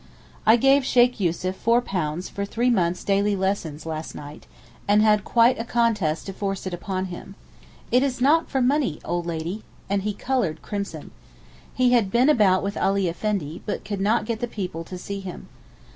I gave Sheykh Yussuf £4 for three months' daily lessons last night, and had quite a contest to force it upon him. 'It is not for money, oh Lady;' and he coloured crimson. He had been about with Ali Effendi, but could not get the people to see him.